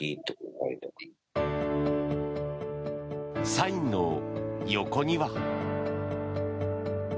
サインの横には。